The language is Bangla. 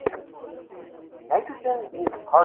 আমি একটু অসামাজিক!